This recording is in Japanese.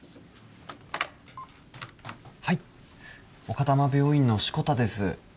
丘珠病院の志子田です。